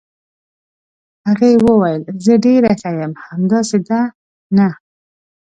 هغې وویل: زه ډېره ښه یم، همداسې ده، نه؟